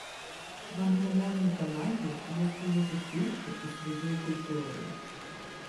В англомовній Канаді є своє суспільство зі своєю культурою